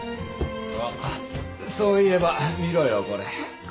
あっそういえば見ろよこれ。